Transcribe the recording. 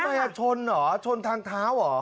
อ่ะชนเหรอชนทางเท้าเหรอ